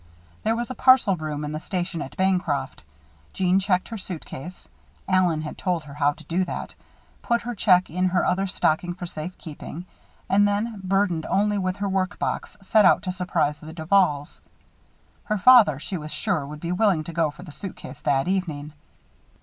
There was a parcel room in the station at Bancroft. Jeanne checked her suitcase Allen had told her how to do that put her check in her other stocking for safe keeping, and then, burdened only with her work box, set out to surprise the Duvals. Her father, she was sure, would be willing to go for the suitcase that evening.